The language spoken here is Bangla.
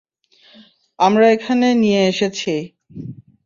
আমরা এখানে নিয়ে এসেছি।